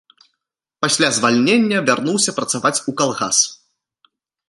Пасля звальнення вярнуўся працаваць у калгас.